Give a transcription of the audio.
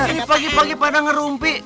ini pagi pagi pada ngerumpik